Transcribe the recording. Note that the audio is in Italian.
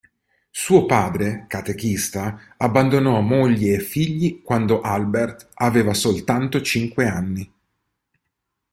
Suo padre, catechista, abbandonò moglie e figli quando Albert aveva soltanto cinque anni.